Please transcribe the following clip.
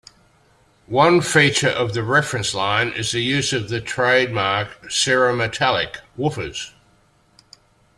One feature of the Reference line is the use of the trademark Cerametallic woofers.